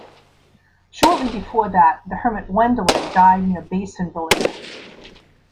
Shortly before that the hermit Wendelin died near Basonvillare.